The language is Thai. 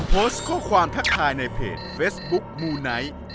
โพสต์ข้อความทักทายในเพจเฟซบุ๊คมูไนท์